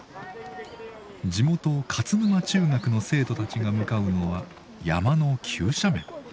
地元勝沼中学の生徒たちが向かうのは山の急斜面。